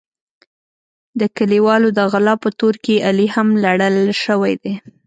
د کلیوالو د غلا په تور کې علي هم لړل شوی دی.